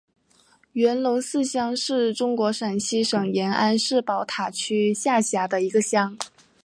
元龙寺乡是中国陕西省延安市宝塔区下辖的一个乡。